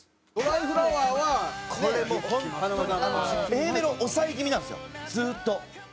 Ａメロ抑え気味なんですよずっと。